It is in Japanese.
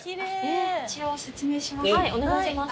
一応説明します。